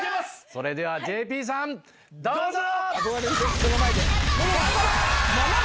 それではＪＰさん、どうぞ。